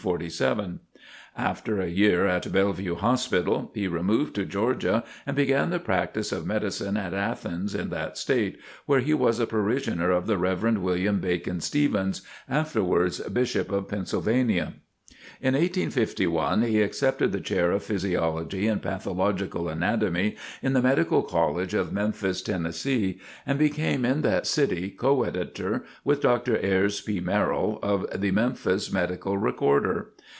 After a year at Bellevue Hospital, he removed to Georgia, and began the practice of medicine at Athens in that state, where he was a parishioner of the Rev. William Bacon Stevens, afterwards Bishop of Pennsylvania. In 1851 he accepted the chair of Physiology and Pathological Anatomy in the Medical College of Memphis, Tennessee, and became in that city co editor with Dr. Ayres P. Merrill, of the "Memphis Medical Recorder."